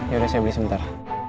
yaudah saya beli sebentar